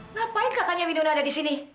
ngapain kakaknya wino ada disini